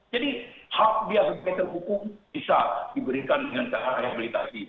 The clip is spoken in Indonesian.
jadi hak biasa baik terhukum bisa diberikan dengan cara rehabilitasi